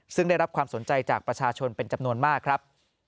ซึ่งได้รับความสนใจจากประชาชนเป็นจำนวนมากครับ